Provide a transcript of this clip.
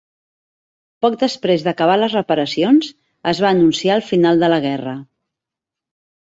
Poc després d'acabar les reparacions, es va anunciar el final de la guerra.